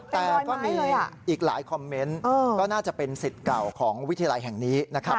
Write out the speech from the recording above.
แต่ก็มีอีกหลายคอมเมนต์ก็น่าจะเป็นสิทธิ์เก่าของวิทยาลัยแห่งนี้นะครับ